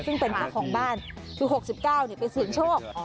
ซึ่งเป็นข้าของบ้านที่๖๙เนี่ยไปสื่นโชค